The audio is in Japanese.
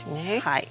はい。